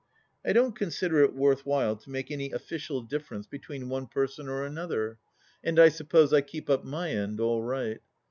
I don't consider it worth while to make any official difference 40 THJii liAST UiiUii between one person or another, and I suppose I keep up my end all right.